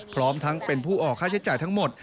พร้อมทั้งเป็นผู้ออกค่าใช้จ่ายทั้งหมด